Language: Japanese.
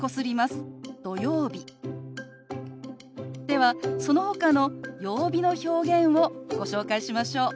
ではそのほかの曜日の表現をご紹介しましょう。